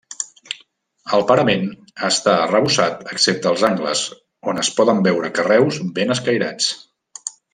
El parament està arrebossat excepte als angles on es poden veure carreus ben escairats.